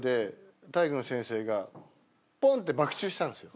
ポンッてバク宙したんですよ。